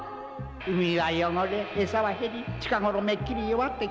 「海は汚れ餌は減り近ごろめっきり弱ってきた」